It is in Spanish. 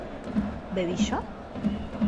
¿bebí yo?